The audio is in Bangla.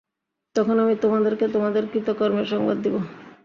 তখন আমি তোমাদেরকে তোমাদের কৃতকর্মের সংবাদ দিব।